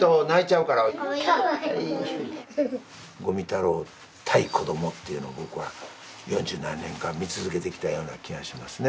五味太郎対子どもっていうのを僕は四十何年間見続けてきたような気がしますね。